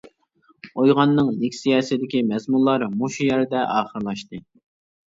ئويغاننىڭ لېكسىيەسىدىكى مەزمۇنلار مۇشۇ يەردە ئاخىرلاشتى.